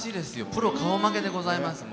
プロ顔負けでございますよ。